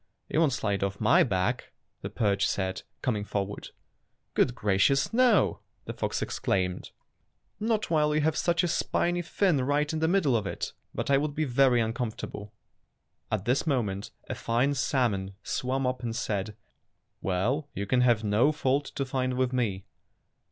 "You won't slide off my back," the perch said, coming forward. "Good gracious, no!" the fox exclaimed, "not while you have such a spiny fin right in the middle of it; but I would be very un comfortable." At this moment a fine salmon swam up and said, "Well, you can have no fault to find with me."